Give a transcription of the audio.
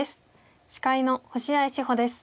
司会の星合志保です。